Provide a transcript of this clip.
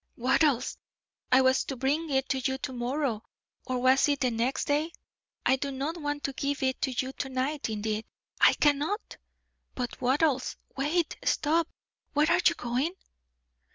"Wattles, I was to bring it to you to morrow, or was it the next day? I do not want to give it to you to night; indeed, I cannot, but Wattles, wait, stop! Where are you going?"